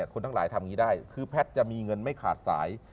คนทั้งหลายทำอย่างนี้ได้คือแพทย์จะมีเงินไม่ขาดสาย